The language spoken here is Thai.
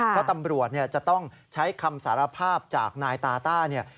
เพราะตำรวจจะต้องใช้คำสารภาพจากนายตาต้าเนี่ย